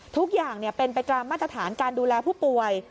ทุกอย่างเป็นไปตามมาตรฐานการดูแลผู้ป่วย